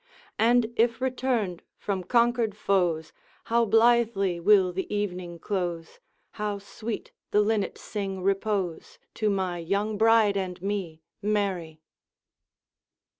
And if returned from conquered foes, How blithely will the evening close, How sweet the linnet sing repose, To my young bride and me, Mary!